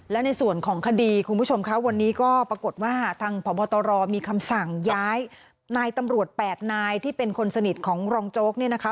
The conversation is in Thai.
และในส่วนของคดีคุณผู้ชมคะวันนี้ก็ปรากฏว่าทางพบตรมีคำสั่งย้ายนายตำรวจ๘นายที่เป็นคนสนิทของรองโจ๊กเนี่ยนะคะ